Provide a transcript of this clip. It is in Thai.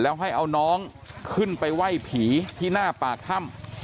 แล้วให้เอาน้องขึ้นไปไหว้ผีที่หน้าปากถ้ำ